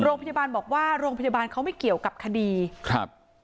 โรงพยาบาลบอกว่าโรงพยาบาลเขาไม่เกี่ยวกับคดีครับ